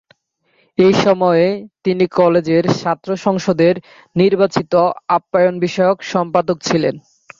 এই সময়ে তিনি কলেজের ছাত্র সংসদের নির্বাচিত আপ্যায়ন বিষয়ক সম্পাদক ছিলেন।